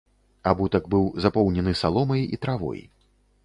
Абутак быў запоўнены саломай і травой.